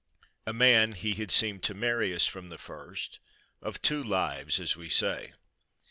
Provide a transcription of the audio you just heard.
A man, he had seemed to Marius from the first, of two lives, as we say.